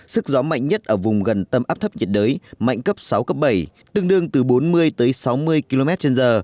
sức gió mạnh nhất ở vùng gần tâm áp thấp nhiệt đới mạnh cấp sáu cấp bảy tương đương từ bốn mươi tới sáu mươi km trên giờ